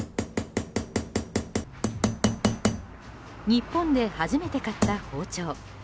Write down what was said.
日本で初めて買った包丁。